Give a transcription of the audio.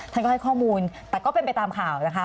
ท่านก็ให้ข้อมูลแต่ก็เป็นไปตามข่าวนะคะ